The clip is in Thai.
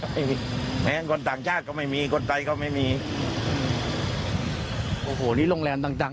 ไม่มีแม้คนต่างชาติก็ไม่มีคนไทยก็ไม่มีโอ้โหนี่โรงแรมต่างต่าง